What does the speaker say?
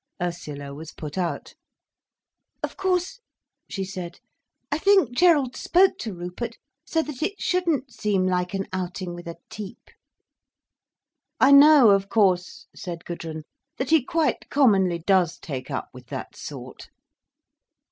Ursula was put out. "Of course," she said, "I think Gerald spoke to Rupert so that it shouldn't seem like an outing with a type—" "I know, of course," said Gudrun, "that he quite commonly does take up with that sort."